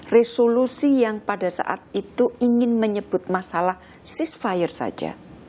resolusi yang pada saat itu ingin menyebut masalah sis fire saja